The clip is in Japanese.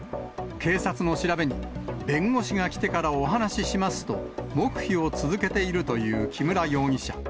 警察の調べに、弁護士が来てからお話ししますと、黙秘を続けているという木村容疑者。